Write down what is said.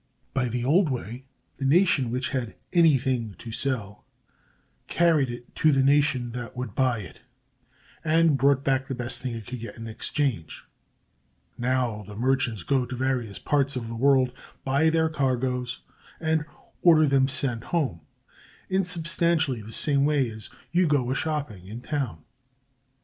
By the old way, the nation which had anything to sell carried it to the nation that would buy it, and brought back the best thing it could get in exchange; now the merchants go to various parts of the world, buy their cargoes, and order them sent home, in substantially the same way as you go a shopping in town.